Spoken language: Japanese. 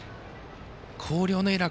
広陵のエラー